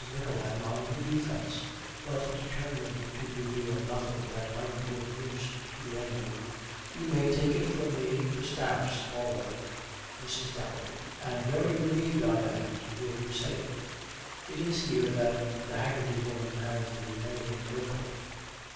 MICKLEHAM, on the defence, but determined to reveal nothing that might be of use to the enemy, 'You may take it from me, the staff's all right.' MRS. DOWEY. 'And very relieved I am to hear you say it.' It is here that the Haggerty Woman has the remaining winkle.